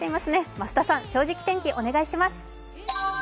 増田さん、「正直天気」、お願いします。